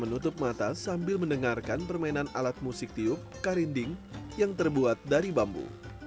menutup mata sambil mendengarkan permainan alat musik tiup karinding yang terbuat dari bambu